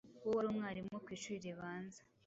w'uwari umwarimu ku ishuri ribanza